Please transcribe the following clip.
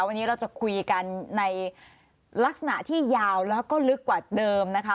วันนี้เราจะคุยกันในลักษณะที่ยาวแล้วก็ลึกกว่าเดิมนะคะ